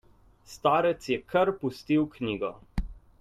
Starec je kar pustil knjigo.